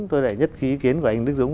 tôi lại nhất trí ý kiến của anh đức dũng